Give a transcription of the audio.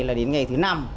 là đến ngày thứ năm